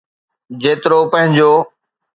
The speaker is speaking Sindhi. جيترو پنهنجو.